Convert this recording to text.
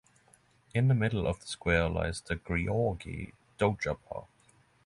In the middle of the square lies the Gheorghe Doja Park.